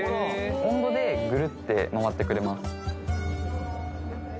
温度でグルッて丸まってくれます